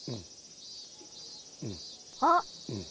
あっ！